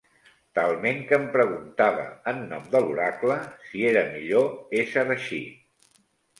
Talment que em preguntava en nom de l'oracle, si era millor ésser així.